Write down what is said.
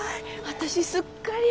私すっかり。